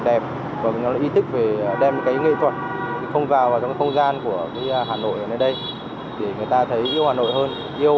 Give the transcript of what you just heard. đẹp và ý thức về đem cái nghệ thuật không vào vào trong cái không gian của hà nội ở đây để người ta thấy yêu hà nội hơn